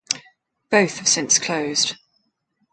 Both have since closed.